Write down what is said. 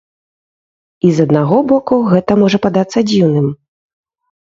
І з аднаго боку, гэта можа падацца дзіўным.